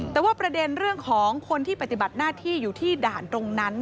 แต่ว่าประเด็นเรื่องของคนที่ปฏิบัติหน้าที่อยู่ที่ด่านตรงนั้น